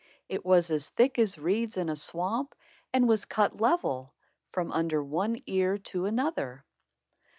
It was as thick as reeds in a swamp and was cut level, from under one ear to another.